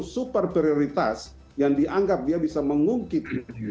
super prioritas yang dianggap dia bisa mengungkit